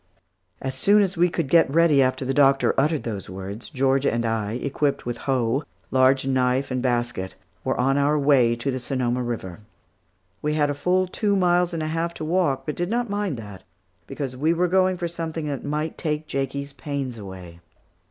As soon as we could get ready after the doctor uttered those words, Georgia and I, equipped with hoe, large knife, and basket were on our way to the Sonoma River. We had a full two miles and a half to walk, but did not mind that, because we were going for something that might take Jakie's pains away.